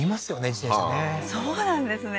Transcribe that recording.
自転車ねはあそうなんですね